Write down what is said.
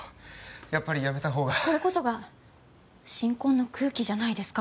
やっぱりやめた方がこれこそが新婚の空気じゃないですか？